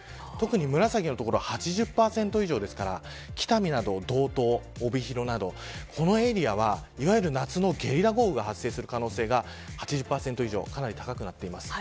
特に紫の所は８０％以上ですから北見など道東、帯広などこのエリアは、いわゆる夏のゲリラ豪雨が発生する可能性が８０％以上とかなり高くなっています。